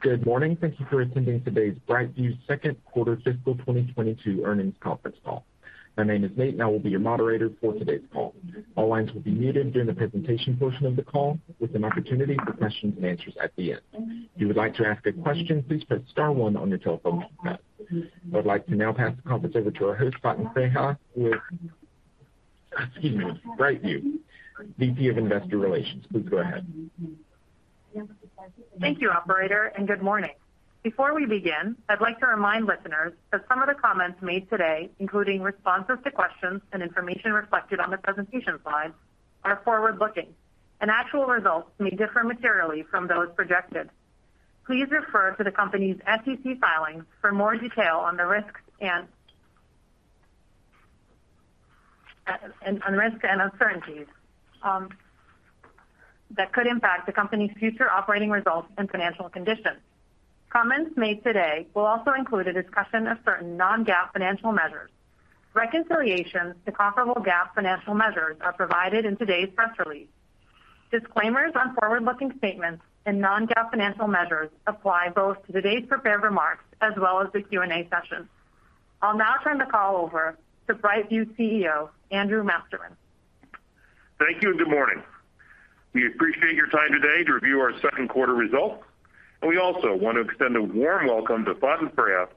Good morning. Thank you for attending today's BrightView Q2 Fiscal 2022 Earnings Conference Call. My name is Nate, and I will be your moderator for today's call. All lines will be muted during the presentation portion of the call with an opportunity for questions and answers at the end. If you would like to ask a question, please press star one on your telephone keypad. I would like to now pass the conference over to our host, Faten Freiha, with, excuse me, BrightView, VP of Investor Relations. Please go ahead. Thank you, operator, and good morning. Before we begin, I'd like to remind listeners that some of the comments made today, including responses to questions and information reflected on the presentation slides, are forward-looking, and actual results may differ materially from those projected. Please refer to the company's SEC filings for more detail on the risks and uncertainties that could impact the company's future operating results and financial conditions. Comments made today will also include a discussion of certain non-GAAP financial measures. Reconciliations to comparable GAAP financial measures are provided in today's press release. Disclaimers on forward-looking statements and non-GAAP financial measures apply both to today's prepared remarks as well as the Q&A session. I'll now turn the call over to BrightView CEO Andrew Masterman. Thank you and good morning. We appreciate your time today to review our Q2 results, and we also want to extend a warm welcome to Faten Freiha,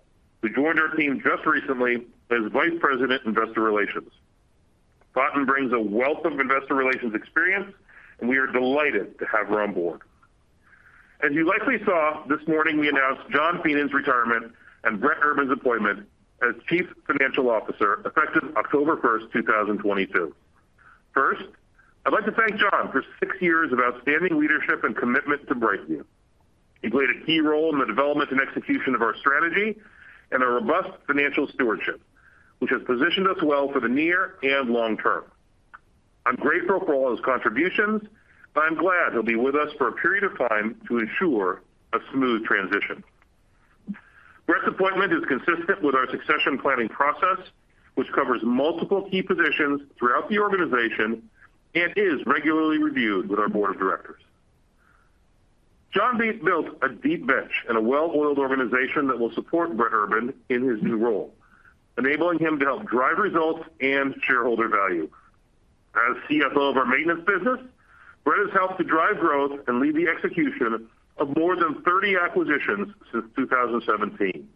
who joined our team just recently as Vice President, Investor Relations. Faten brings a wealth of investor relations experience, and we are delighted to have her on board. As you likely saw, this morning we announced John A. Feenan's retirement and Brett Urban's appointment as Chief Financial Officer, effective October 1, 2022. First, I'd like to thank John for six years of outstanding leadership and commitment to BrightView. He played a key role in the development and execution of our strategy and our robust financial stewardship, which has positioned us well for the near and long term. I'm grateful for all his contributions, but I'm glad he'll be with us for a period of time to ensure a smooth transition. Brett's appointment is consistent with our succession planning process, which covers multiple key positions throughout the organization and is regularly reviewed with our board of directors. John built a deep bench and a well-oiled organization that will support Brett Urban in his new role, enabling him to help drive results and shareholder value. As CFO of our maintenance business, Brett has helped to drive growth and lead the execution of more than 30 acquisitions since 2017.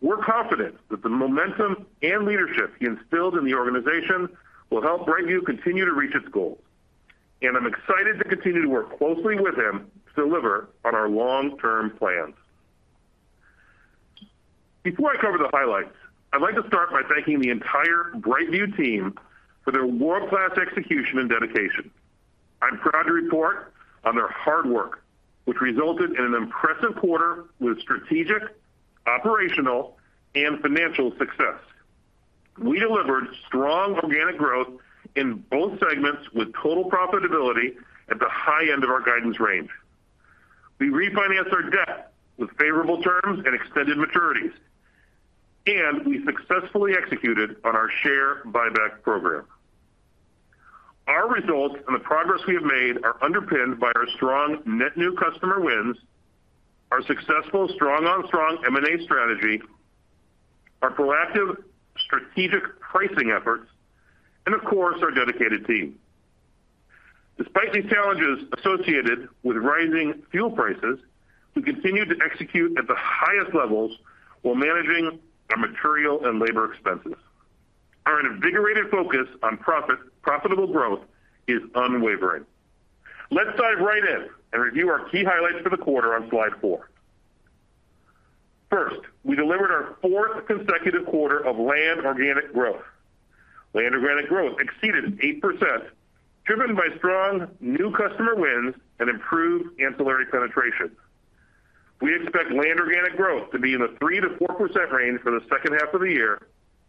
We're confident that the momentum and leadership he instilled in the organization will help BrightView continue to reach its goals, and I'm excited to continue to work closely with him to deliver on our long-term plans. Before I cover the highlights, I'd like to start by thanking the entire BrightView team for their world-class execution and dedication. I'm proud to report on their hard work, which resulted in an impressive quarter with strategic, operational, and financial success. We delivered strong organic growth in both segments with total profitability at the high end of our guidance range. We refinanced our debt with favorable terms and extended maturities, and we successfully executed on our share buyback program. Our results and the progress we have made are underpinned by our strong net new customer wins, our successful strong on strong M&A strategy, our proactive strategic pricing efforts, and of course, our dedicated team. Despite these challenges associated with rising fuel prices, we continue to execute at the highest levels while managing our material and labor expenses. Our invigorated focus on profitable growth is unwavering. Let's dive right in and review our key highlights for the quarter on slide four. First, we delivered our fourth consecutive quarter of Landscape organic growth. Landscape organic growth exceeded 8%, driven by strong new customer wins and improved ancillary penetration. We expect Landscape organic growth to be in the 3%-4% range for the second half of the year,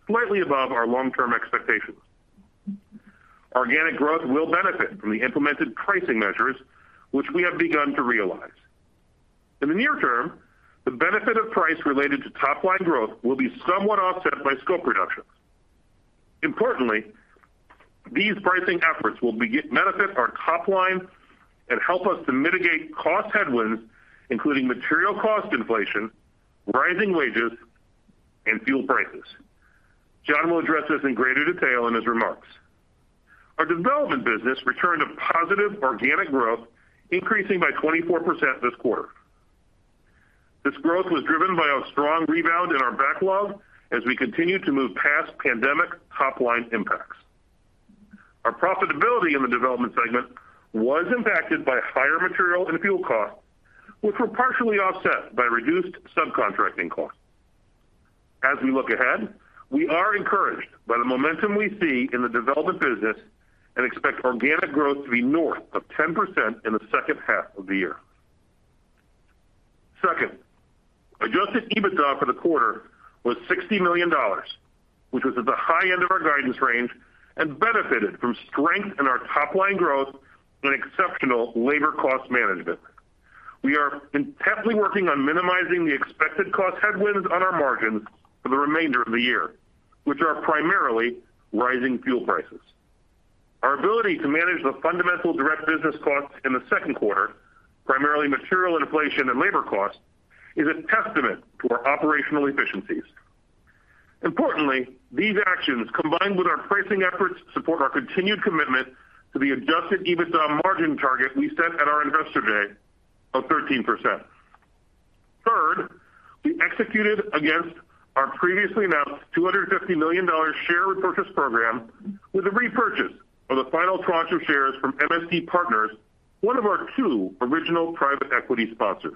slightly above our long-term expectations. Organic growth will benefit from the implemented pricing measures, which we have begun to realize. In the near term, the benefit of price related to top line growth will be somewhat offset by scope reductions. Importantly, these pricing efforts will benefit our top line and help us to mitigate cost headwinds, including material cost inflation, rising wages, and fuel prices. John will address this in greater detail in his remarks. Our development business returned to positive organic growth, increasing by 24% this quarter. This growth was driven by a strong rebound in our backlog as we continue to move past pandemic top-line impacts. Our profitability in the development segment was impacted by higher material and fuel costs, which were partially offset by reduced subcontracting costs. As we look ahead, we are encouraged by the momentum we see in the development business and expect organic growth to be north of 10% in the second half of the year. Second, Adjusted EBITDA for the quarter was $60 million, which was at the high end of our guidance range and benefited from strength in our top-line growth and exceptional labor cost management. We are intently working on minimizing the expected cost headwinds on our margins for the remainder of the year, which are primarily rising fuel prices. Our ability to manage the fundamental direct business costs in the Q2, primarily material inflation and labor costs, is a testament to our operational efficiencies. Importantly, these actions, combined with our pricing efforts, support our continued commitment to the Adjusted EBITDA margin target we set at our Investor Day of 13%. Third, we executed against our previously announced $250 million share repurchase program with a repurchase of the final tranche of shares from MSD Partners, one of our two original private equity sponsors.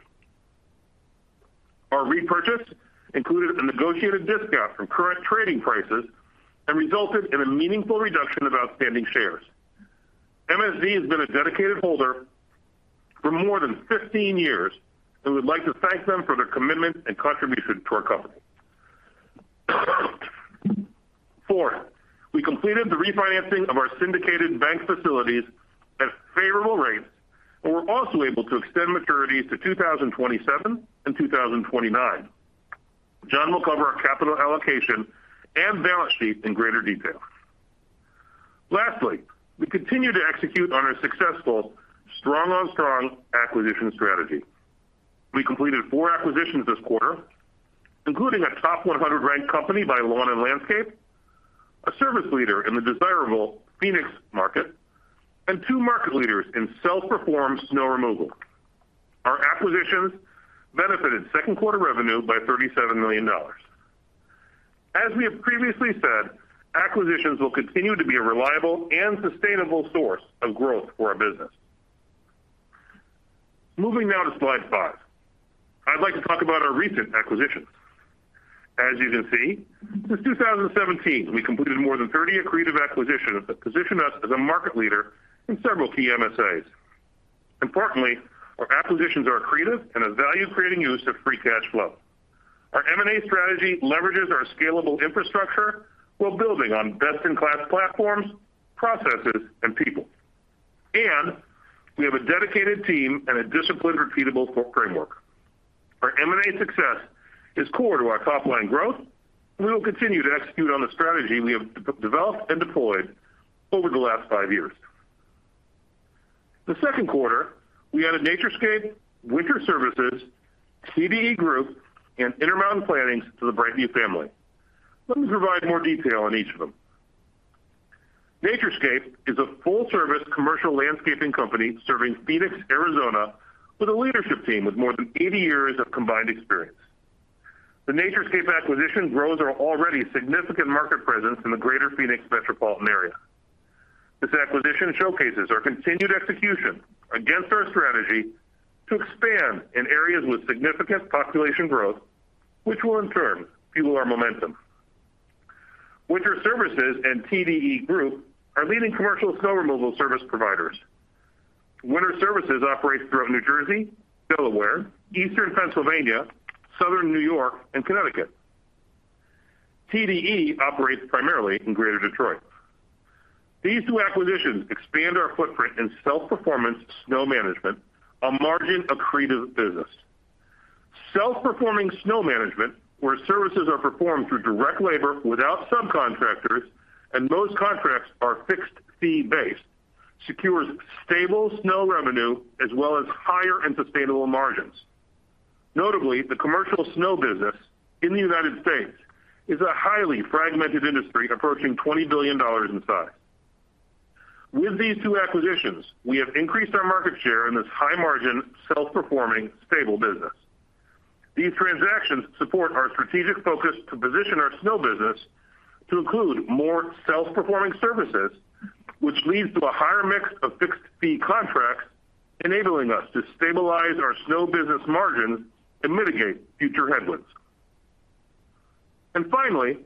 Our repurchase included a negotiated discount from current trading prices and resulted in a meaningful reduction of outstanding shares. MSD has been a dedicated holder for more than 15 years, and we'd like to thank them for their commitment and contribution to our company. Fourth, we completed the refinancing of our syndicated bank facilities at favorable rates, and we're also able to extend maturities to 2027 and 2029. John will cover our capital allocation and balance sheet in greater detail. Lastly, we continue to execute on our successful strong-on-strong acquisition strategy. We completed four acquisitions this quarter, including a top 100 ranked company by Lawn & Landscape, a service leader in the desirable Phoenix market, and two market leaders in self-performed snow removal. Our acquisitions benefited Q2 revenue by $37 million. As we have previously said, acquisitions will continue to be a reliable and sustainable source of growth for our business. Moving now to slide 5. I'd like to talk about our recent acquisitions. As you can see, since 2017, we completed more than 30 accretive acquisitions that position us as a market leader in several key MSAs. Importantly, our acquisitions are accretive and a value-creating use of free cash flow. Our M&A strategy leverages our scalable infrastructure while building on best-in-class platforms, processes, and people. We have a dedicated team and a disciplined, repeatable framework. Our M&A success is core to our top line growth. We will continue to execute on the strategy we have developed and deployed over the last five years. The Q2, we added NatureScape, Winter Services, TDE Group, and Intermountain Plantings to the BrightView family. Let me provide more detail on each of them. NatureScape is a full-service commercial landscaping company serving Phoenix, Arizona, with a leadership team with more than 80 years of combined experience. The NatureScape acquisition grows our already significant market presence in the greater Phoenix metropolitan area. This acquisition showcases our continued execution against our strategy to expand in areas with significant population growth, which will, in turn, fuel our momentum. Winter Services and TDE Group are leading commercial snow removal service providers. Winter Services operates throughout New Jersey, Delaware, Eastern Pennsylvania, Southern New York, and Connecticut. TDE operates primarily in Greater Detroit. These two acquisitions expand our footprint in self-performance snow management, a margin-accretive business. Self-performing snow management, where services are performed through direct labor without subcontractors and most contracts are fixed-fee based, secures stable snow revenue as well as higher and sustainable margins. Notably, the commercial snow business in the United States is a highly fragmented industry approaching $20 billion in size. With these two acquisitions, we have increased our market share in this high-margin, self-performing, stable business. These transactions support our strategic focus to position our snow business to include more self-performing services, which leads to a higher mix of fixed-fee contracts, enabling us to stabilize our snow business margins and mitigate future headwinds. Finally,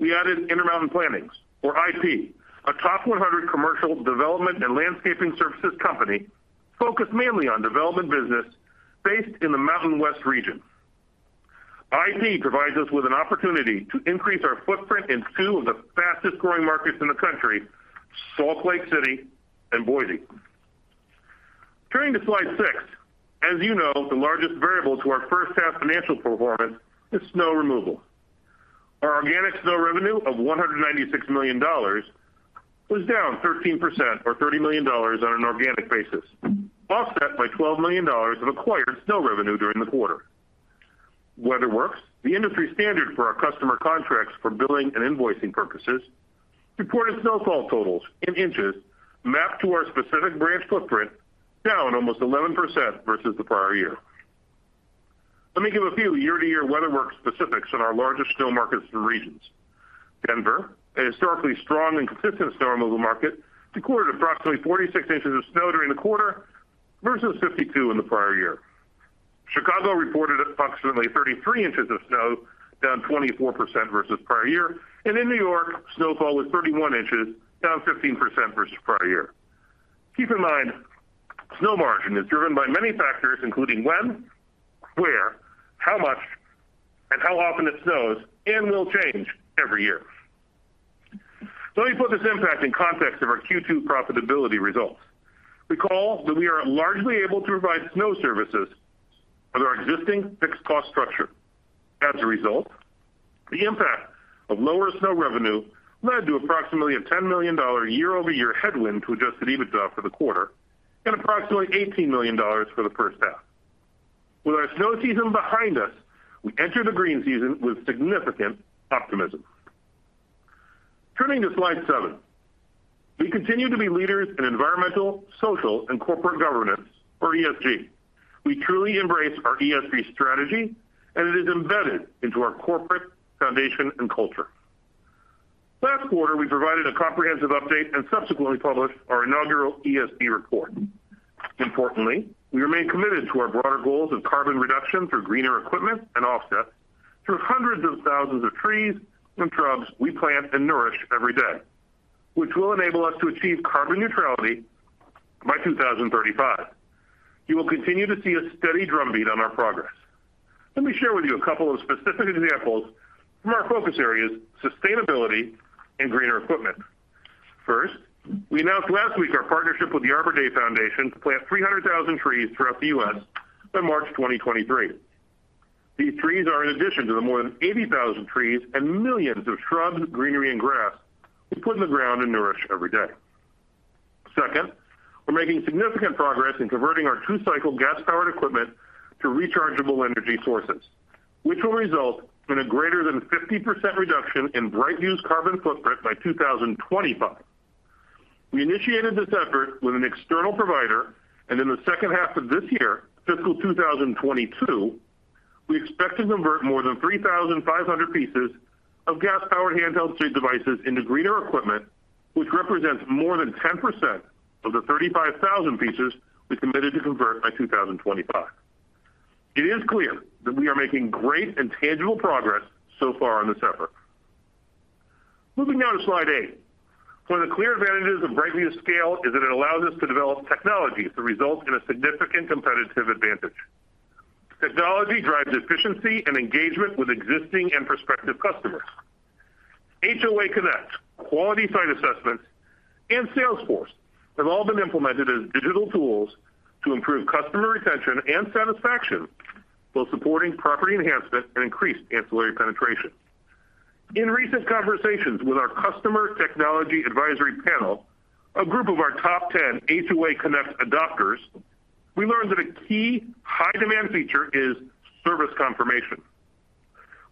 we added Intermountain Plantings, or IP, a top 100 commercial development and landscaping services company focused mainly on development business based in the Mountain West region. IP provides us with an opportunity to increase our footprint in two of the fastest-growing markets in the country, Salt Lake City and Boise. Turning to slide 6. As you know, the largest variable to our first half financial performance is snow removal. Our organic snow revenue of $196 million was down 13% or $30 million on an organic basis, offset by $12 million of acquired snow revenue during the quarter. WeatherWorks, the industry standard for our customer contracts for billing and invoicing purposes, reported snowfall totals in inches mapped to our specific branch footprint, down almost 11% versus the prior year. Let me give a few year-to-year WeatherWorks specifics in our largest snow markets and regions. Denver, a historically strong and consistent snow removal market, recorded approximately 46 inches of snow during the quarter versus 52 in the prior year. Chicago reported approximately 33 inches of snow, down 24% versus prior year. In New York, snowfall was 31 inches, down 15% versus prior year. Keep in mind, snow margin is driven by many factors, including when, where, how much, and how often it snows and will change every year. Let me put this impact in context of our Q2 profitability results. Recall that we are largely able to provide snow services under our existing fixed cost structure. As a result, the impact of lower snow revenue led to approximately a $10 million year-over-year headwind to Adjusted EBITDA for the quarter and approximately $18 million for the first half. With our snow season behind us, we enter the green season with significant optimism. Turning to slide 7. We continue to be leaders in environmental, social, and corporate governance or ESG. We truly embrace our ESG strategy, and it is embedded into our corporate foundation and culture. Last quarter, we provided a comprehensive update and subsequently published our inaugural ESG report. Importantly, we remain committed to our broader goals of carbon reduction through greener equipment and offsets through hundreds of thousands of trees and shrubs we plant and nourish every day, which will enable us to achieve carbon neutrality by 2035. You will continue to see a steady drumbeat on our progress. Let me share with you a couple of specific examples from our focus areas, sustainability and greener equipment. First, we announced last week our partnership with the Arbor Day Foundation to plant 300,000 trees throughout the U.S. by March 2023. These trees are an addition to the more than 80,000 trees and millions of shrubs, greenery, and grass we put in the ground and nourish every day. Second, we're making significant progress in converting our two-cycle gas-powered equipment to rechargeable energy sources, which will result in a greater than 50% reduction in BrightView's carbon footprint by 2025. We initiated this effort with an external provider, and in the second half of this year, fiscal 2022, we expect to convert more than 3,500 pieces of gas-powered handheld street devices into greener equipment, which represents more than 10% of the 35,000 pieces we committed to convert by 2025. It is clear that we are making great and tangible progress so far on this effort. Moving now to slide 8. One of the clear advantages of BrightView's scale is that it allows us to develop technologies that result in a significant competitive advantage. Technology drives efficiency and engagement with existing and prospective customers. HOA Connect, Quality Site Assessments, and Salesforce have all been implemented as digital tools to improve customer retention and satisfaction while supporting property enhancement and increased ancillary penetration. In recent conversations with our customer technology advisory panel, a group of our top ten HOA Connect adopters, we learned that a key high-demand feature is service confirmation,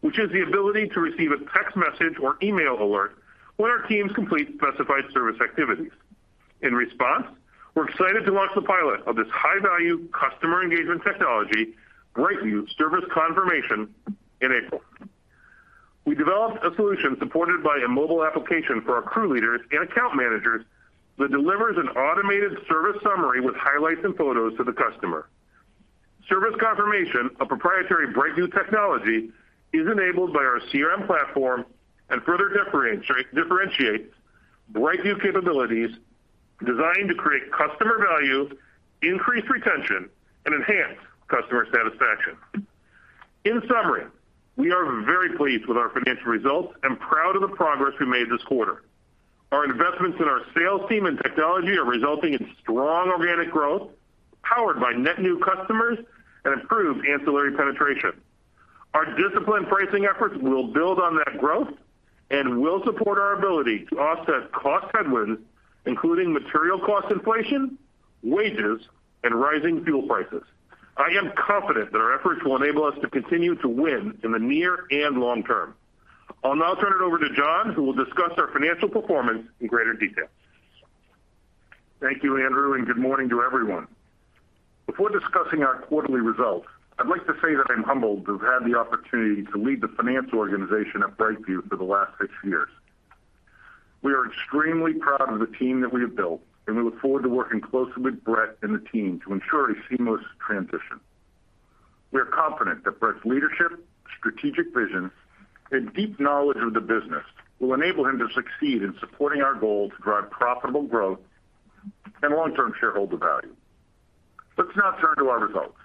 which is the ability to receive a text message or email alert when our teams complete specified service activities. In response, we're excited to launch the pilot of this high-value customer engagement technology, BrightView Service Confirmation, in April. We developed a solution supported by a mobile application for our crew leaders and account managers that delivers an automated service summary with highlights and photos to the customer. Service Confirmation, a proprietary BrightView technology, is enabled by our CRM platform and further differentiates BrightView capabilities designed to create customer value, increase retention, and enhance customer satisfaction. In summary, we are very pleased with our financial results and proud of the progress we made this quarter. Our investments in our sales team and technology are resulting in strong organic growth powered by net new customers and improved ancillary penetration. Our disciplined pricing efforts will build on that growth and will support our ability to offset cost headwinds, including material cost inflation, wages, and rising fuel prices. I am confident that our efforts will enable us to continue to win in the near and long term. I'll now turn it over to John, who will discuss our financial performance in greater detail. Thank you, Andrew, and good morning to everyone. Before discussing our quarterly results, I'd like to say that I'm humbled to have had the opportunity to lead the finance organization at BrightView for the last six years. We are extremely proud of the team that we have built, and we look forward to working closely with Brett and the team to ensure a seamless transition. We are confident that Brett's leadership, strategic vision, and deep knowledge of the business will enable him to succeed in supporting our goal to drive profitable growth and long-term shareholder value. Let's now turn to our results.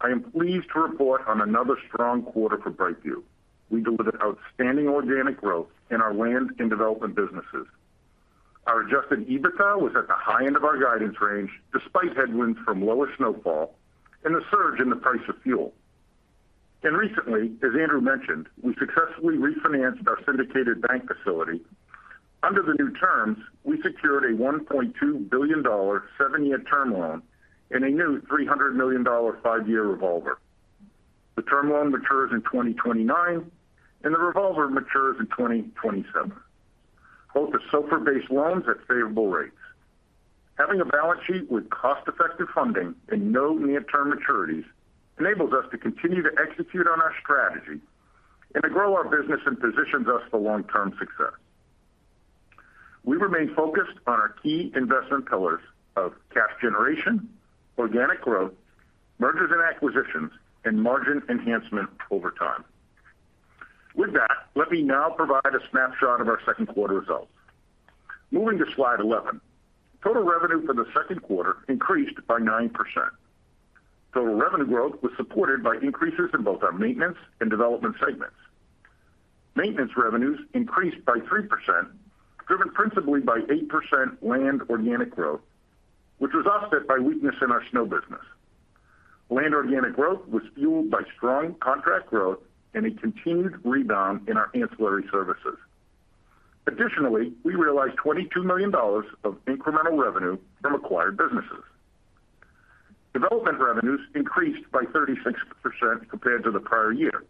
I am pleased to report on another strong quarter for BrightView. We delivered outstanding organic growth in our land and development businesses. Our Adjusted EBITDA was at the high end of our guidance range despite headwinds from lower snowfall and a surge in the price of fuel. Recently, as Andrew mentioned, we successfully refinanced our syndicated bank facility. Under the new terms, we secured a $1.2 billion seven-year term loan and a new $300 million five-year revolver. The term loan matures in 2029, and the revolver matures in 2027. Both are SOFR-based loans at favorable rates. Having a balance sheet with cost-effective funding and no near-term maturities enables us to continue to execute on our strategy and to grow our business and positions us for long-term success. We remain focused on our key investment pillars of cash generation, organic growth, mergers and acquisitions, and margin enhancement over time. With that, let me now provide a snapshot of our Q2 results. Moving to slide 11. Total revenue for the Q2 increased by 9%. Total revenue growth was supported by increases in both our maintenance and development segments. maintenance revenues increased by 3%, driven principally by 8% landscape organic growth, which was offset by weakness in our snow business. Landscape organic growth was fueled by strong contract growth and a continued rebound in our ancillary services. Additionally, we realized $22 million of incremental revenue from acquired businesses. Landscape development revenues increased by 36% compared to the prior year.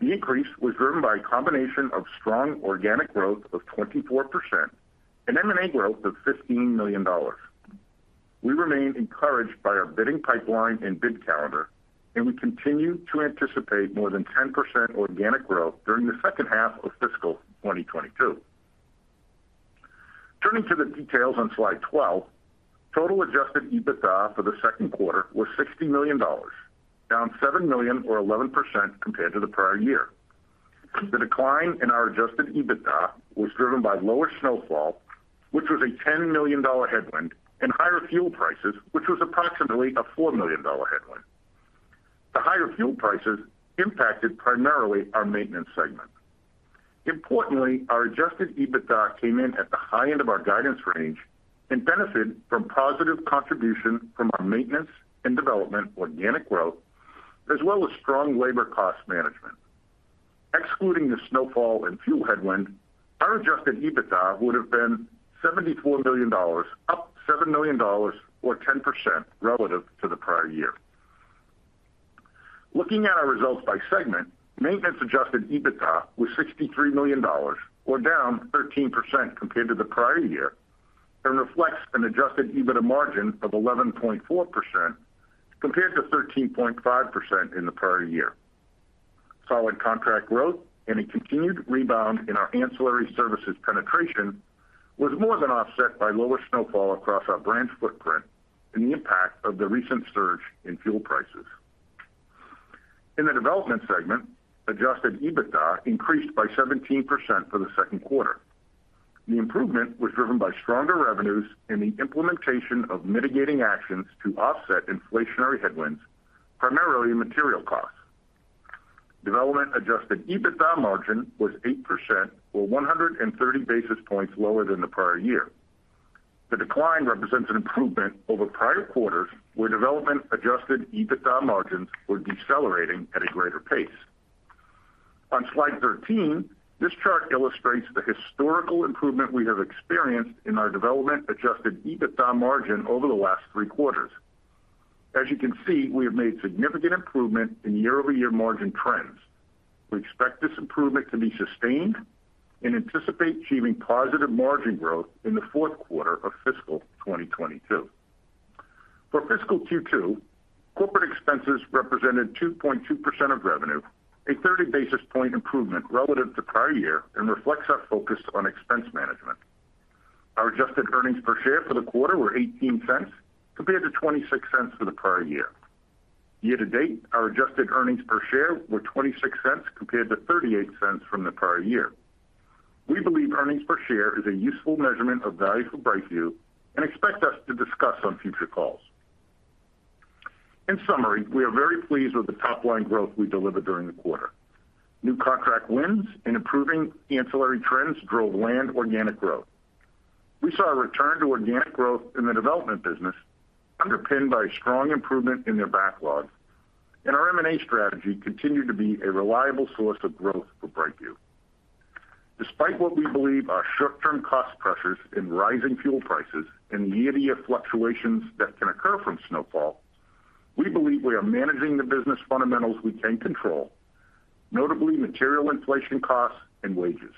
The increase was driven by a combination of strong organic growth of 24% and M&A growth of $15 million. We remain encouraged by our bidding pipeline and bid calendar, and we continue to anticipate more than 10% organic growth during the second half of fiscal 2022. Turning to the details on slide 12. Total Adjusted EBITDA for the Q2 was $60 million, down $7 million or 11% compared to the prior year. The decline in our Adjusted EBITDA was driven by lower snowfall, which was a $10 million headwind, and higher fuel prices, which was approximately a $4 million headwind. The higher fuel prices impacted primarily our maintenance segment. Importantly, our Adjusted EBITDA came in at the high end of our guidance range and benefited from positive contribution from our maintenance and development organic growth, as well as strong labor cost management. Excluding the snowfall and fuel headwind, our Adjusted EBITDA would have been $74 million, up $7 million or 10% relative to the prior year. Looking at our results by segment, maintenance Adjusted EBITDA was $63 million or down 13% compared to the prior year and reflects an Adjusted EBITDA margin of 11.4% compared to 13.5% in the prior year. Solid contract growth and a continued rebound in our ancillary services penetration was more than offset by lower snowfall across our branch footprint and the impact of the recent surge in fuel prices. In the Development segment, Adjusted EBITDA increased by 17% for the Q2. The improvement was driven by stronger revenues and the implementation of mitigating actions to offset inflationary headwinds, primarily material costs. Development Adjusted EBITDA margin was 8% or 130 basis points lower than the prior year. The decline represents an improvement over prior quarters, where Development Adjusted EBITDA margins were decelerating at a greater pace. On slide 13, this chart illustrates the historical improvement we have experienced in our Development Adjusted EBITDA margin over the last three quarters. As you can see, we have made significant improvement in year-over-year margin trends. We expect this improvement to be sustained and anticipate achieving positive margin growth in the Q4 of fiscal 2022. For fiscal Q2, corporate expenses represented 2.2% of revenue, a 30 basis point improvement relative to prior year and reflects our focus on expense management. Our adjusted earnings per share for the quarter were $0.18 compared to $0.26 for the prior year. Year to date, our adjusted earnings per share were $0.26 compared to $0.38 from the prior year. We believe earnings per share is a useful measurement of value for BrightView and expect us to discuss on future calls. In summary, we are very pleased with the top line growth we delivered during the quarter. New contract wins and improving ancillary trends drove land organic growth. We saw a return to organic growth in the development business underpinned by strong improvement in their backlog. Our M&A strategy continued to be a reliable source of growth for BrightView. Despite what we believe are short-term cost pressures in rising fuel prices and the year-to-year fluctuations that can occur from snowfall, we believe we are managing the business fundamentals we can control, notably material inflation costs and wages.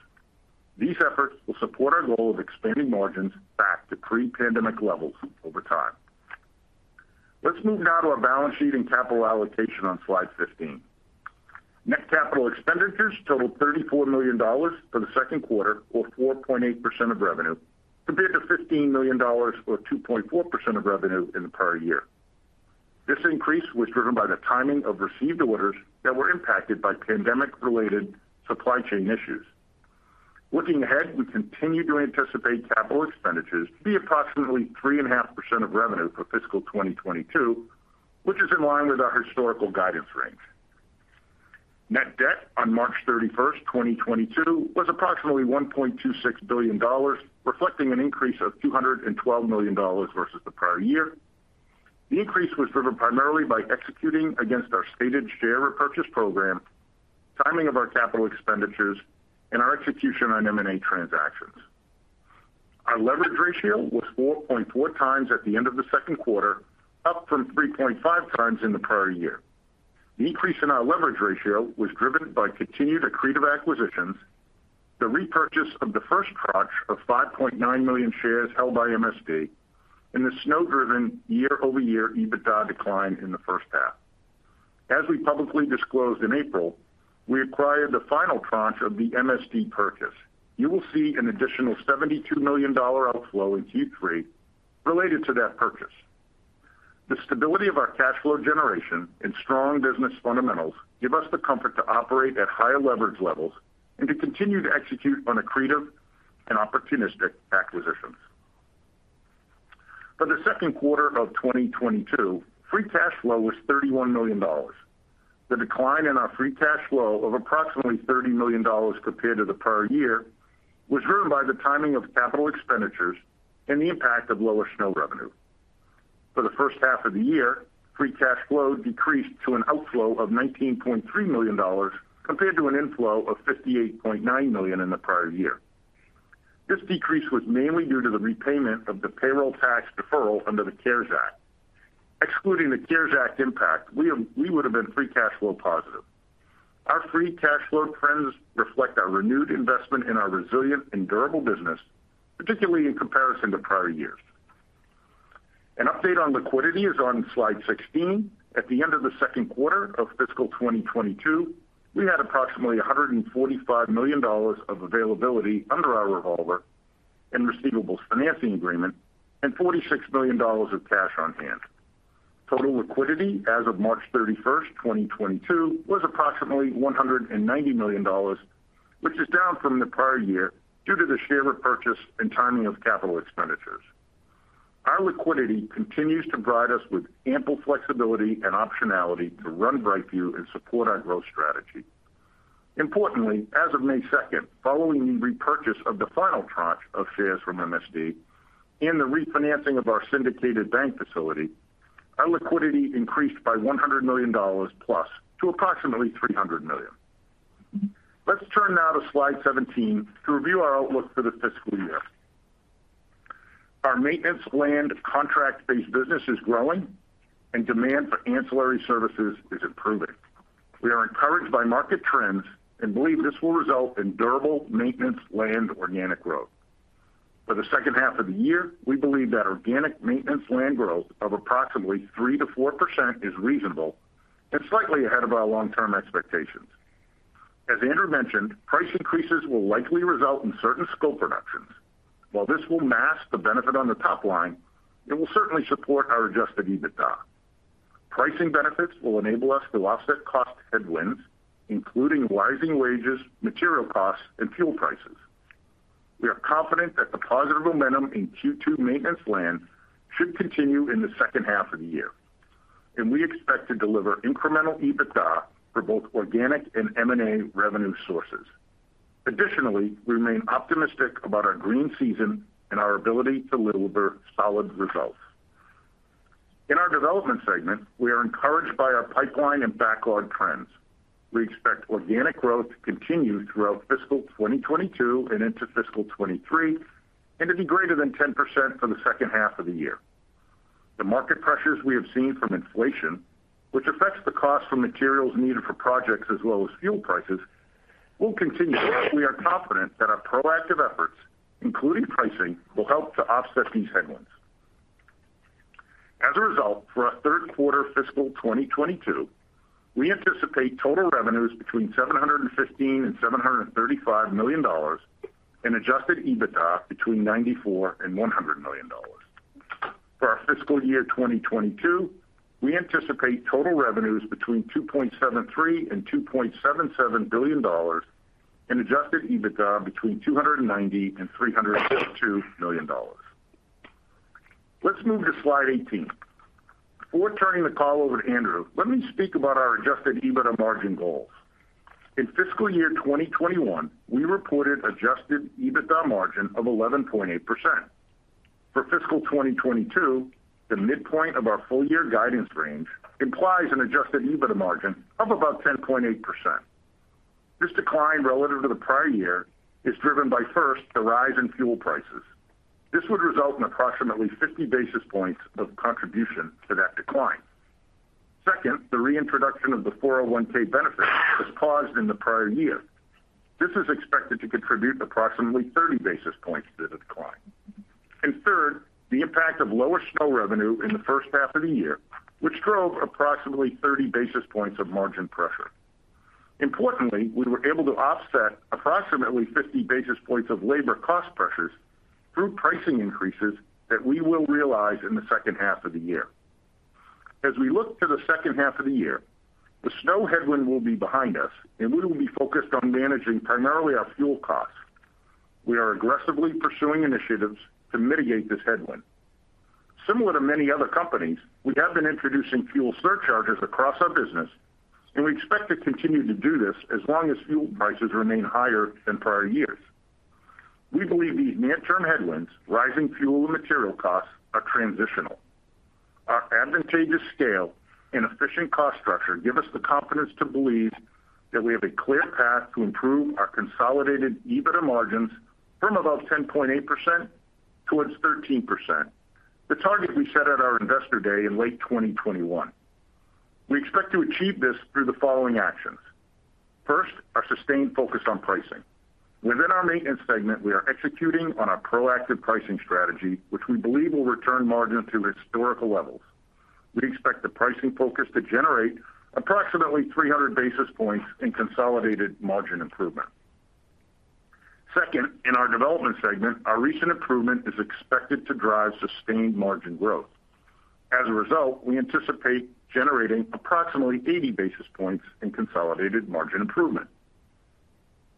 These efforts will support our goal of expanding margins back to pre-pandemic levels over time. Let's move now to our balance sheet and capital allocation on slide 15. Net capital expenditures totaled $34 million for the Q2 or 4.8% of revenue compared to $15 million or 2.4% of revenue in the prior year. This increase was driven by the timing of received orders that were impacted by pandemic-related supply chain issues. Looking ahead, we continue to anticipate capital expenditures to be approximately 3.5% of revenue for fiscal 2022, which is in line with our historical guidance range. Net debt on March 31, 2022 was approximately $1.26 billion, reflecting an increase of $212 million versus the prior year. The increase was driven primarily by executing against our stated share repurchase program, timing of our capital expenditures, and our execution on M&A transactions. Our leverage ratio was 4.4x at the end of the Q2, up from 3.5x in the prior year. The increase in our leverage ratio was driven by continued accretive acquisitions, the repurchase of the first tranche of 5.9 million shares held by MSD, and the snow-driven year-over-year EBITDA decline in the first half. As we publicly disclosed in April, we acquired the final tranche of the MSD purchase. You will see an additional $72 million outflow in Q3 related to that purchase. The stability of our cash flow generation and strong business fundamentals give us the comfort to operate at higher leverage levels and to continue to execute on accretive and opportunistic acquisitions. For the Q2 of 2022, free cash flow was $31 million. The decline in our free cash flow of approximately $30 million compared to the prior year was driven by the timing of capital expenditures and the impact of lower snow revenue. For the first half of the year, free cash flow decreased to an outflow of $19.3 million compared to an inflow of $58.9 million in the prior year. This decrease was mainly due to the repayment of the payroll tax deferral under the CARES Act. Excluding the CARES Act impact, we would have been free cash flow positive. Our free cash flow trends reflect our renewed investment in our resilient and durable business, particularly in comparison to prior years. An update on liquidity is on slide 16. At the end of the Q2 of fiscal 2022, we had approximately $145 million of availability under our revolver and receivables financing agreement and $46 million of cash on hand. Total liquidity as of March 31, 2022, was approximately $190 million, which is down from the prior year due to the share repurchase and timing of capital expenditures. Our liquidity continues to provide us with ample flexibility and optionality to run BrightView and support our growth strategy. Importantly, as of May 2, following the repurchase of the final tranche of shares from MSD and the refinancing of our syndicated bank facility, our liquidity increased by $100 million-plus to approximately $300 million. Let's turn now to slide 17 to review our outlook for the fiscal year. Our landscape maintenance contract-based business is growing, and demand for ancillary services is improving. We are encouraged by market trends and believe this will result in durable landscape maintenance organic growth. For the second half of the year, we believe that organic landscape maintenance growth of approximately 3%-4% is reasonable and slightly ahead of our long-term expectations. As Andrew mentioned, price increases will likely result in certain scope reductions. While this will mask the benefit on the top line, it will certainly support our Adjusted EBITDA. Pricing benefits will enable us to offset cost headwinds, including rising wages, material costs, and fuel prices. We are confident that the positive momentum in Q2 maintenance landscape should continue in the second half of the year, and we expect to deliver incremental EBITDA for both organic and M&A revenue sources. Additionally, we remain optimistic about our growing season and our ability to deliver solid results. In our development segment, we are encouraged by our pipeline and backlog trends. We expect organic growth to continue throughout fiscal 2022 and into fiscal 2023 and to be greater than 10% for the second half of the year. The market pressures we have seen from inflation, which affects the cost for materials needed for projects as well as fuel prices, will continue, but we are confident that our proactive efforts, including pricing, will help to offset these headwinds. As a result, for our Q3 fiscal 2022, we anticipate total revenues between $715 million and $735 million and Adjusted EBITDA between $94 million and $100 million. For our fiscal year 2022, we anticipate total revenues between $2.73 billion and $2.77 billion and Adjusted EBITDA between $290 million and $362 million. Let's move to slide 18. Before turning the call over to Andrew, let me speak about our Adjusted EBITDA margin goals. In fiscal year 2021, we reported Adjusted EBITDA margin of 11.8%. For fiscal 2022, the midpoint of our full year guidance range implies an Adjusted EBITDA margin of about 10.8%. This decline relative to the prior year is driven by, first, the rise in fuel prices. This would result in approximately 50 basis points of contribution to that decline. Second, the reintroduction of the 401(k) benefit was paused in the prior year. This is expected to contribute approximately 30 basis points to the decline. Third, the impact of lower snow revenue in the first half of the year, which drove approximately 30 basis points of margin pressure. Importantly, we were able to offset approximately 50 basis points of labor cost pressures through pricing increases that we will realize in the second half of the year. As we look to the second half of the year, the snow headwind will be behind us, and we will be focused on managing primarily our fuel costs. We are aggressively pursuing initiatives to mitigate this headwind. Similar to many other companies, we have been introducing fuel surcharges across our business, and we expect to continue to do this as long as fuel prices remain higher than prior years. We believe these near-term headwinds, rising fuel and material costs, are transitional. Our advantageous scale and efficient cost structure give us the confidence to believe that we have a clear path to improve our consolidated EBITDA margins from about 10.8% towards 13%, the target we set at our Investor Day in late 2021. We expect to achieve this through the following actions. First, our sustained focus on pricing. Within our maintenance segment, we are executing on our proactive pricing strategy, which we believe will return margin to historical levels. We expect the pricing focus to generate approximately 300 basis points in consolidated margin improvement. Second, in our development segment, our recent improvement is expected to drive sustained margin growth. As a result, we anticipate generating approximately 80 basis points in consolidated margin improvement.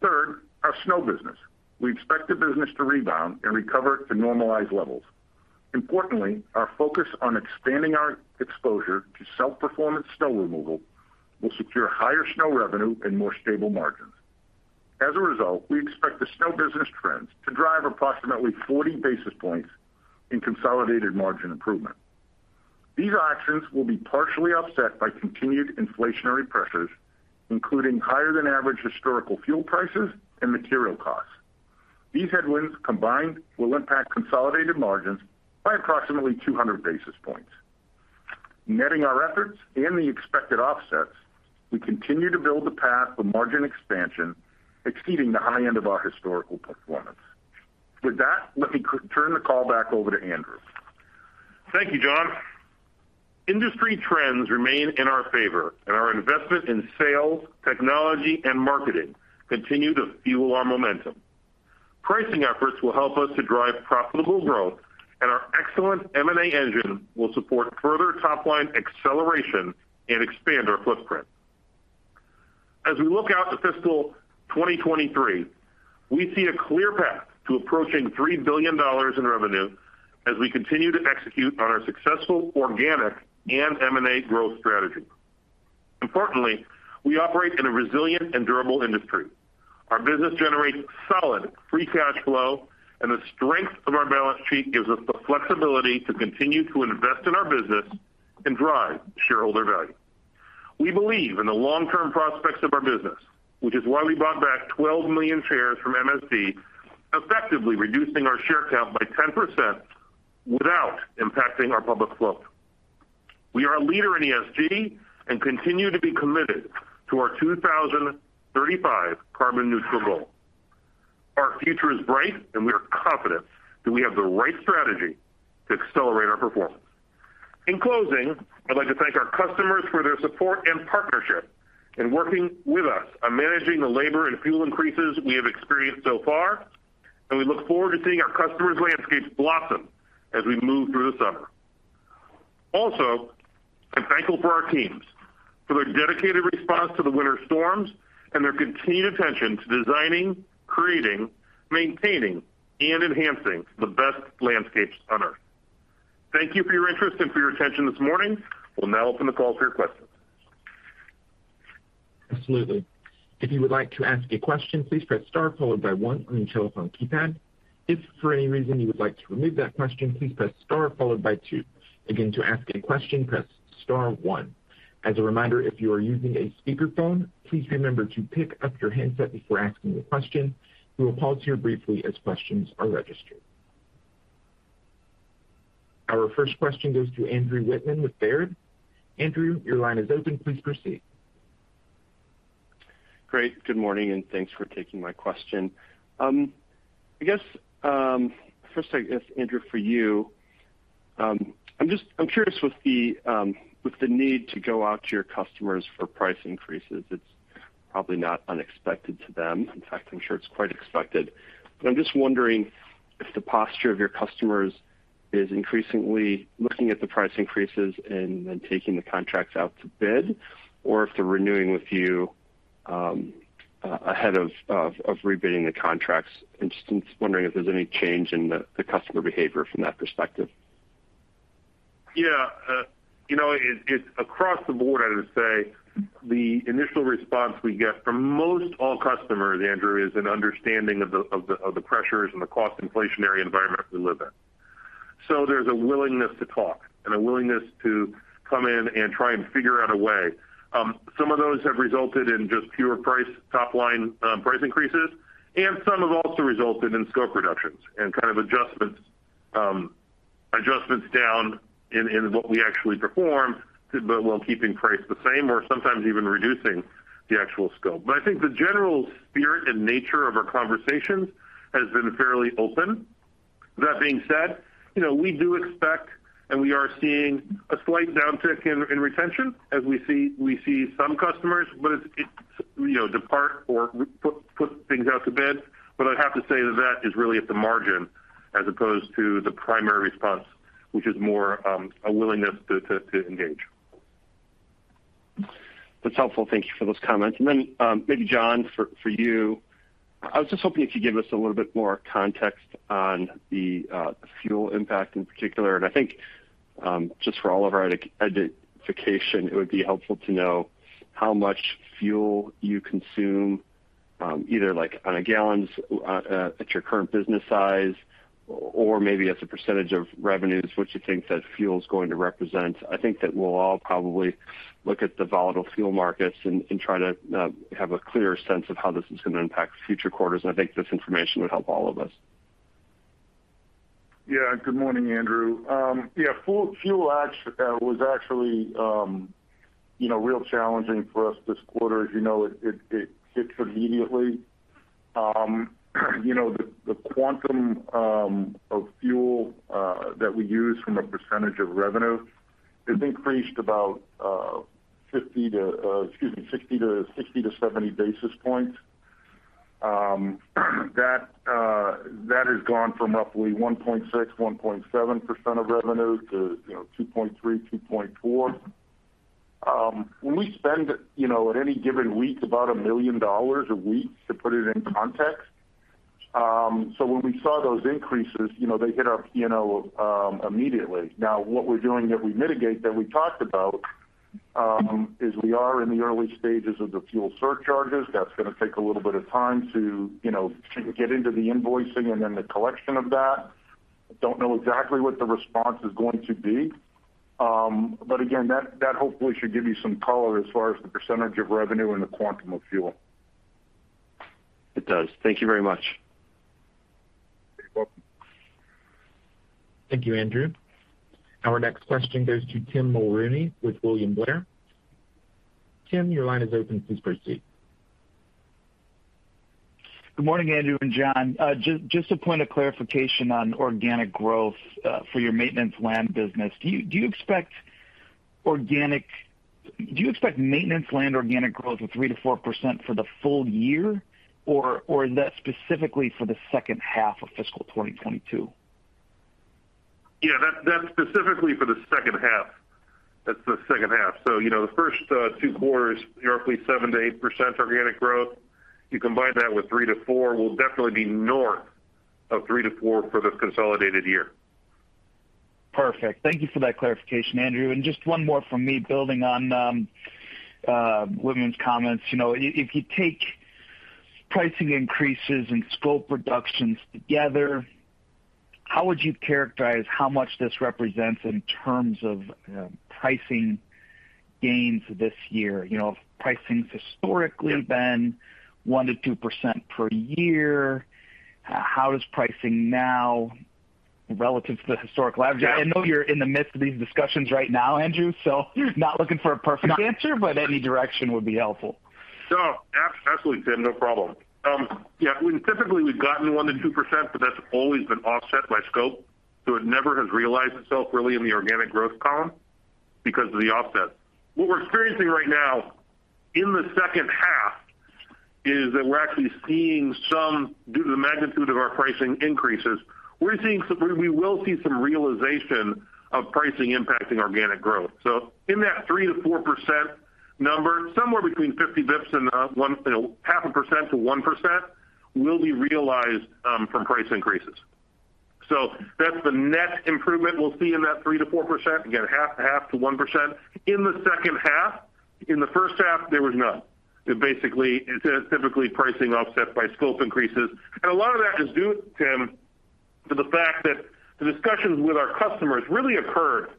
Third, our snow business. We expect the business to rebound and recover to normalized levels. Importantly, our focus on expanding our exposure to self-performance snow removal will secure higher snow revenue and more stable margins. As a result, we expect the snow business trends to drive approximately 40 basis points in consolidated margin improvement. These actions will be partially offset by continued inflationary pressures, including higher than average historical fuel prices and material costs. These headwinds combined will impact consolidated margins by approximately 200 basis points. Netting our efforts and the expected offsets, we continue to build a path of margin expansion exceeding the high end of our historical performance. With that, let me turn the call back over to Andrew. Thank you, John. Industry trends remain in our favor, and our investment in sales, technology and marketing continue to fuel our momentum. Pricing efforts will help us to drive profitable growth, and our excellent M&A engine will support further top line acceleration and expand our footprint. As we look out to fiscal 2023, we see a clear path to approaching $3 billion in revenue as we continue to execute on our successful organic and M&A growth strategy. Importantly, we operate in a resilient and durable industry. Our business generates solid free cash flow, and the strength of our balance sheet gives us the flexibility to continue to invest in our business and drive shareholder value. We believe in the long-term prospects of our business, which is why we bought back 12 million shares from MSD Partners, effectively reducing our share count by 10% without impacting our public float. We are a leader in ESG and continue to be committed to our 2035 carbon neutral goal. Our future is bright and we are confident that we have the right strategy to accelerate our performance. In closing, I'd like to thank our customers for their support and partnership in working with us on managing the labor and fuel increases we have experienced so far, and we look forward to seeing our customers' landscapes blossom as we move through the summer. Also, I'm thankful for our teams for their dedicated response to the winter storms and their continued attention to designing, creating, maintaining, and enhancing the best landscapes on Earth. Thank you for your interest and for your attention this morning. We'll now open the call for your questions. Absolutely. If you would like to ask a question, please press star followed by one on your telephone keypad. If for any reason you would like to remove that question, please press star followed by two. Again, to ask a question, press star one. As a reminder, if you are using a speakerphone, please remember to pick up your handset before asking a question. We will pause here briefly as questions are registered. Our first question goes to Andrew Wittmann with Baird. Andrew, your line is open. Please proceed. Great. Good morning, and thanks for taking my question. I guess first, Andrew, for you, I'm just curious with the need to go out to your customers for price increases, it's probably not unexpected to them. In fact, I'm sure it's quite expected. I'm just wondering if the posture of your customers is increasingly looking at the price increases and then taking the contracts out to bid, or if they're renewing with you, ahead of rebidding the contracts. Just wondering if there's any change in the customer behavior from that perspective. Yeah. You know, it across the board, I would say the initial response we get from most all customers, Andrew, is an understanding of the pressures and the cost inflationary environment we live in. So there's a willingness to talk and a willingness to come in and try and figure out a way. Some of those have resulted in just pure price, top line, price increases, and some have also resulted in scope reductions and kind of adjustments down in what we actually perform, but while keeping price the same or sometimes even reducing the actual scope. I think the general spirit and nature of our conversations has been fairly open. That being said, you know, we do expect and we are seeing a slight downtick in retention as we see some customers, but it's you know, depart or put things out to bid. I'd have to say that is really at the margin as opposed to the primary response, which is more a willingness to engage. That's helpful. Thank you for those comments. Maybe John, for you, I was just hoping you could give us a little bit more context on the fuel impact in particular. I think just for all of our identification, it would be helpful to know how much fuel you consume, either like in gallons at your current business size, or maybe as a percentage of revenues, what you think that fuel is going to represent. I think that we'll all probably look at the volatile fuel markets and try to have a clearer sense of how this is gonna impact future quarters. I think this information would help all of us. Yeah. Good morning, Andrew. Yeah, fuel actually was actually, you know, real challenging for us this quarter. As you know, it hits immediately. You know, the quantum of fuel that we use from a percentage of revenue has increased about 50 to, excuse me, 60-70 basis points. That has gone from roughly 1.6-1.7% of revenue to, you know, 2.3-2.4%. We spend, you know, at any given week, about $1 million a week to put it in context. So when we saw those increases, you know, they hit our P&L immediately. Now what we're doing to mitigate that we talked about is we are in the early stages of the fuel surcharges. That's gonna take a little bit of time to, you know, to get into the invoicing and then the collection of that. Don't know exactly what the response is going to be. But again, that hopefully should give you some color as far as the percentage of revenue and the quantum of fuel. It does. Thank you very much. You're welcome. Thank you, Andrew. Our next question goes to Tim Mulrooney with William Blair. Tim, your line is open. Please proceed. Good morning, Andrew and John. Just a point of clarification on organic growth for your landscape maintenance business. Do you expect landscape maintenance organic growth of 3%-4% for the full year? Or is that specifically for the second half of fiscal 2022? That's specifically for the second half. That's the second half. You know, the first two quarters, roughly 7%-8% organic growth. You combine that with 3%-4%, we'll definitely be north of 3%-4% for this consolidated year. Perfect. Thank you for that clarification, Andrew. Just one more from me building on William's comments. You know, if you take pricing increases and scope reductions together, how would you characterize how much this represents in terms of pricing gains this year? You know, if pricing's historically been 1%-2% per year, how is pricing now relative to the historical average? I know you're in the midst of these discussions right now, Andrew, so not looking for a perfect answer, but any direction would be helpful. Absolutely, Tim, no problem. Yeah, when typically we've gotten 1%-2%, but that's always been offset by scope, so it never has realized itself really in the organic growth column because of the offset. What we're experiencing right now in the second half is that we're actually seeing some due to the magnitude of our pricing increases. We will see some realization of pricing impacting organic growth. In that 3%-4% number, somewhere between 50 basis points and, you know, 0.5%-1% will be realized from price increases. That's the net improvement we'll see in that 3%-4%, again, 0.5%-1% in the second half. In the first half, there was none. Basically, it's typically pricing offset by scope increases. A lot of that is due, Tim, to the fact that the discussions with our customers really occurred,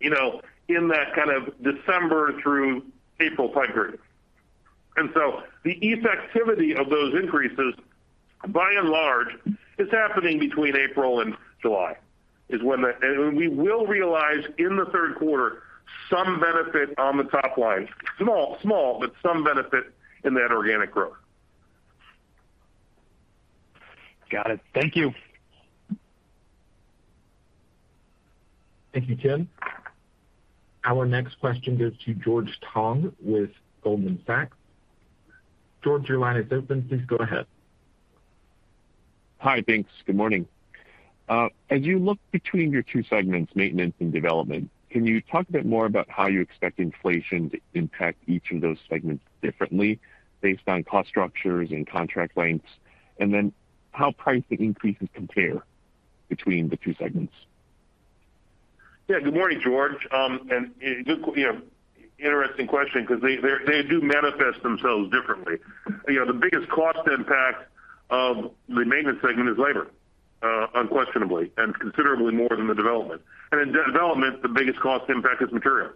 you know, in that kind of December through April time period. The effectivity of those increases, by and large, is happening between April and July. We will realize in the Q3 some benefit on the top line. Small, but some benefit in that organic growth. Got it. Thank you. Thank you, Tim. Our next question goes to George Tong with Goldman Sachs. George, your line is open. Please go ahead. Hi, thanks. Good morning. As you look between your two segments, maintenance and development, can you talk a bit more about how you expect inflation to impact each of those segments differently based on cost structures and contract lengths? How pricing increases compare between the two segments? Yeah. Good morning, George. You know, interesting question 'cause they do manifest themselves differently. You know, the biggest cost impact of the maintenance segment is labor, unquestionably and considerably more than the development. In development, the biggest cost impact is material.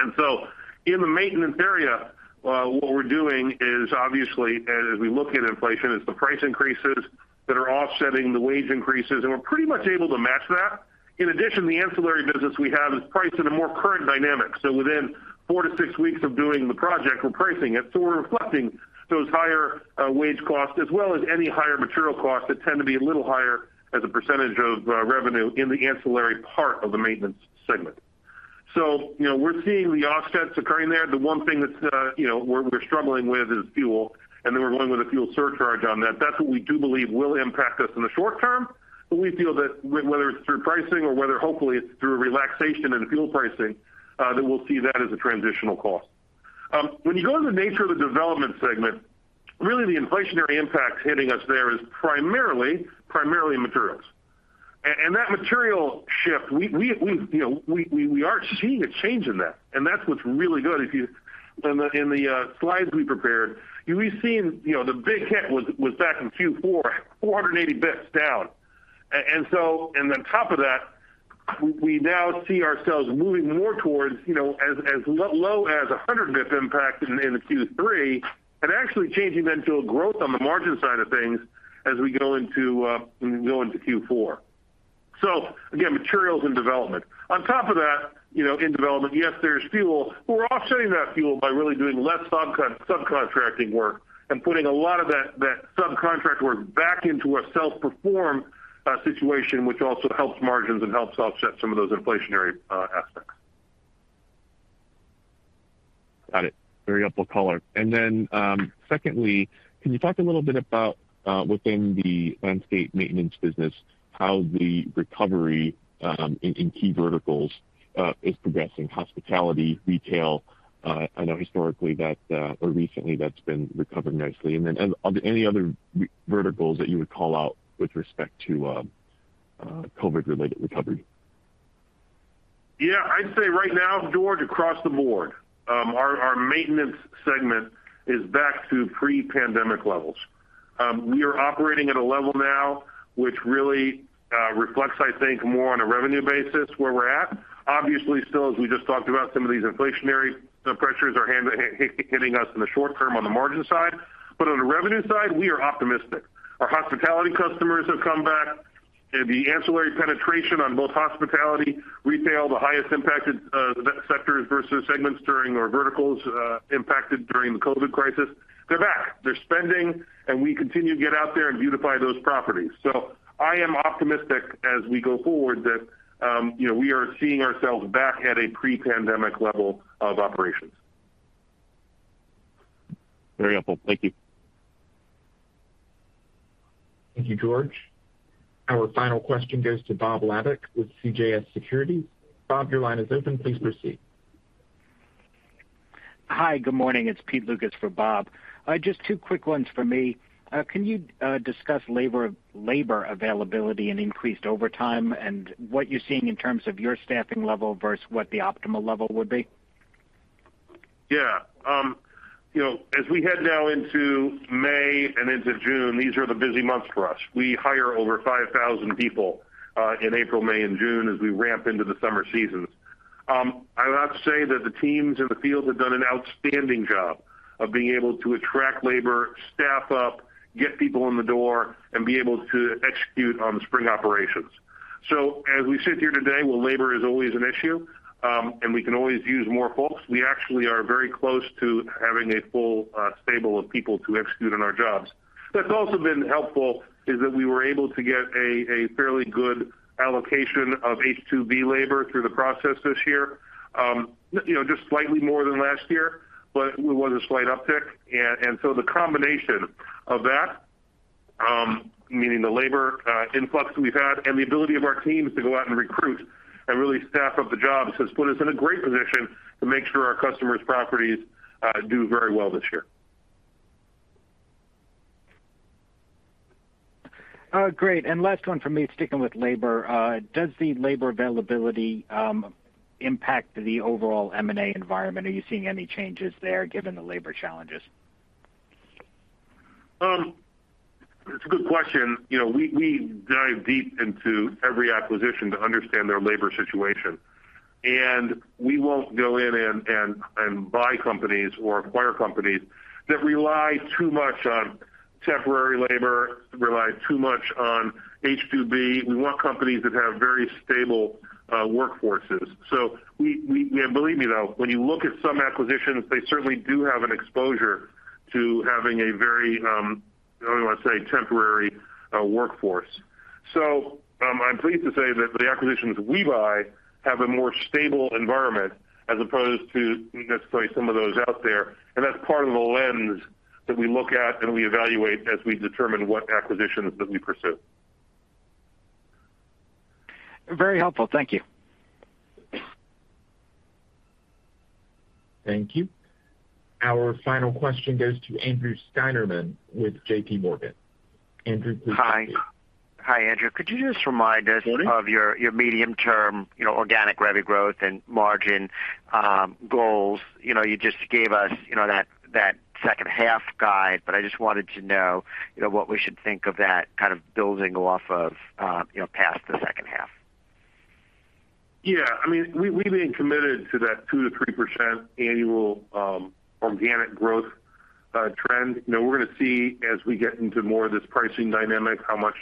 In the maintenance area, what we're doing is obviously, as we look at inflation, the price increases that are offsetting the wage increases, and we're pretty much able to match that. In addition, the ancillary business we have is priced in a more current dynamic. Within 4-6 weeks of doing the project, we're pricing it. We're reflecting those higher wage costs as well as any higher material costs that tend to be a little higher as a percentage of revenue in the ancillary part of the maintenance segment. You know, we're seeing the offsets occurring there. The one thing that's, you know, we're struggling with is fuel, and then we're going with a fuel surcharge on that. That's what we do believe will impact us in the short term, but we feel that whether it's through pricing or whether hopefully it's through a relaxation in the fuel pricing, that we'll see that as a transitional cost. When you go to the nature of the development segment, really the inflationary impact hitting us there is primarily materials. And that material shift, we've, you know, we are seeing a change in that, and that's what's really good. In the slides we prepared, we've seen, you know, the big hit was back in Q4, 480 basis points down. On top of that, we now see ourselves moving more towards, you know, as low as 100 basis points impact in Q3 and actually changing then to a growth on the margin side of things as we go into Q4. Again, materials and development. On top of that, you know, in development, yes, there's fuel. We're offsetting that fuel by really doing less subcontracting work and putting a lot of that subcontract work back into a self-perform situation, which also helps margins and helps offset some of those inflationary aspects. Got it. Very helpful color. Then, secondly, can you talk a little bit about, within the landscape maintenance business, how the recovery in key verticals is progressing hospitality, retail? I know historically that, or recently that's been recovered nicely. Are there any other verticals that you would call out with respect to, COVID-related recovery? Yeah, I'd say right now, George, across the board, our maintenance segment is back to pre-pandemic levels. We are operating at a level now which really reflects, I think, more on a revenue basis where we're at. Obviously, still, as we just talked about, some of these inflationary pressures are hitting us in the short term on the margin side. But on the revenue side, we are optimistic. Our hospitality customers have come back. The ancillary penetration on both hospitality, retail, the highest impacted sectors versus segments during or verticals impacted during the COVID crisis, they're back. They're spending, and we continue to get out there and beautify those properties. I am optimistic as we go forward that, you know, we are seeing ourselves back at a pre-pandemic level of operations. Very helpful. Thank you. Thank you, George Tong. Our final question goes to Bob Labick with CJS Securities. Bob, your line is open. Please proceed. Hi, good morning. It's Peter Lukas for Bob. Just two quick ones for me. Can you discuss labor availability and increased overtime and what you're seeing in terms of your staffing level versus what the optimal level would be? Yeah. You know, as we head now into May and into June, these are the busy months for us. We hire over 5,000 people in April, May and June as we ramp into the summer seasons. I would have to say that the teams in the field have done an outstanding job of being able to attract labor, staff up, get people in the door, and be able to execute on spring operations. As we sit here today, while labor is always an issue, and we can always use more folks, we actually are very close to having a full stable of people to execute on our jobs. What's also been helpful is that we were able to get a fairly good allocation of H-2B labor through the process this year. You know, just slightly more than last year, but it was a slight uptick. The combination of that, meaning the labor influx we've had and the ability of our teams to go out and recruit and really staff up the jobs, has put us in a great position to make sure our customers' properties do very well this year. Great. Last one from me, sticking with labor. Does the labor availability impact the overall M&A environment? Are you seeing any changes there given the labor challenges? That's a good question. You know, we dive deep into every acquisition to understand their labor situation. We won't go in and buy companies or acquire companies that rely too much on temporary labor, rely too much on H-2B. We want companies that have very stable workforces. Believe me, though, when you look at some acquisitions, they certainly do have an exposure to having a very, I don't wanna say temporary, workforce. I'm pleased to say that the acquisitions we buy have a more stable environment as opposed to necessarily some of those out there. That's part of the lens that we look at and we evaluate as we determine what acquisitions that we pursue. Very helpful. Thank you. Thank you. Our final question goes to Andrew Steinerman with J.P. Morgan. Andrew, please proceed. Hi. Hi, Andrew. Could you just remind us? Morning. Of your medium-term, you know, organic revenue growth and margin goals? You know, you just gave us, you know, that second half guide, but I just wanted to know, you know, what we should think of that kind of building off of, you know, past the second half. Yeah. I mean, we've been committed to that 2%-3% annual organic growth trend. You know, we're gonna see as we get into more of this pricing dynamic, how much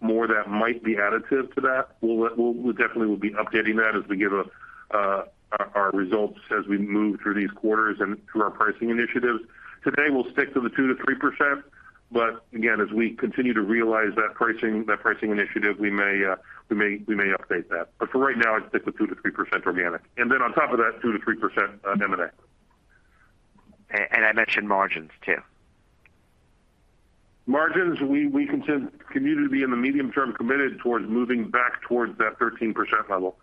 more that might be additive to that. We'll definitely be updating that as we give our results as we move through these quarters and through our pricing initiatives. Today, we'll stick to the 2%-3%, but again, as we continue to realize that pricing initiative, we may update that. For right now, I'd stick with 2%-3% organic. On top of that, 2%-3% M&A. I mentioned margins too. Margins, we continue to be in the medium term committed towards moving back towards that 13% level.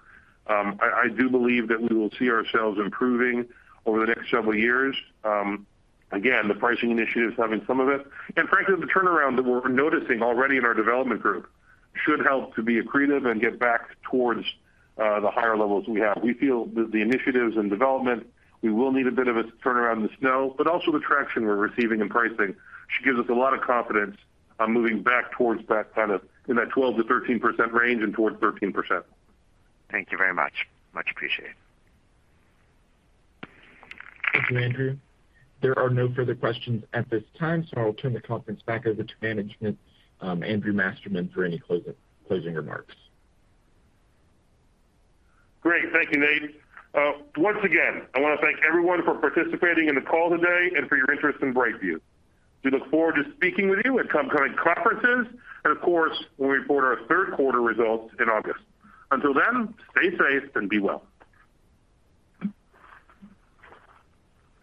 I do believe that we will see ourselves improving over the next several years. Again, the pricing initiatives having some of it. Frankly, the turnaround that we're noticing already in our development group should help to be accretive and get back towards the higher levels we have. We feel that the initiatives and development, we will need a bit of a turnaround in the snow, but also the traction we're receiving in pricing should give us a lot of confidence on moving back towards that kind of in that 12%-13% range and towards 13%. Thank you very much. Much appreciated. Thank you, Andrew. There are no further questions at this time, so I'll turn the conference back over to management, Andrew Masterman for any closing remarks. Great. Thank you, Nate. Once again, I wanna thank everyone for participating in the call today and for your interest in BrightView. We look forward to speaking with you at upcoming conferences and of course, when we report our Q3 results in August. Until then, stay safe and be well.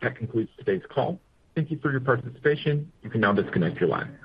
That concludes today's call. Thank you for your participation. You can now disconnect your line.